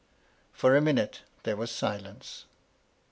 For a minute there was silence.